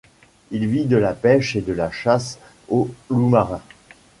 Il vit de la pêche et de la chasse au loup-marin.